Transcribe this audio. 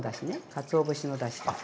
かつお節のだしです。